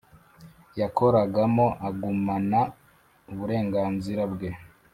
yakoragamo agumana uburenganzira bwe